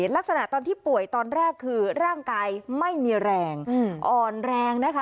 ลักษณะตอนที่ป่วยตอนแรกคือร่างกายไม่มีแรงอ่อนแรงนะคะ